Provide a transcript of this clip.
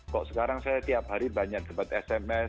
kok sekarang saya tiap hari banyak dapat sms